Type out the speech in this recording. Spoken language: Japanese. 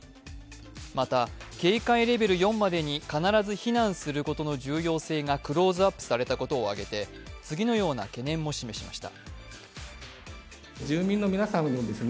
また、警戒レベル４までに必ず避難することの重要性もクローズアップされたことを挙げて次のような懸念も示しました。